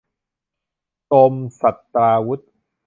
โทรมศัสตราวุธ